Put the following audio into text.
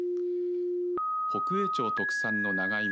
北栄町特産の長いも